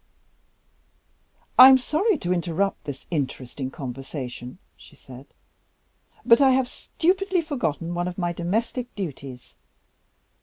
"I am sorry to interrupt this interesting conversation," she said; "but I have stupidly forgotten one of my domestic duties.